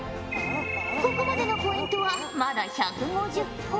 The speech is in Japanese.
ここまでのポイントはまだ１５０ほぉ。